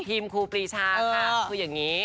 ครูปรีชาค่ะคืออย่างนี้